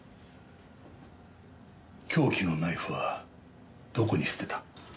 凶器のナイフはどこに捨てた？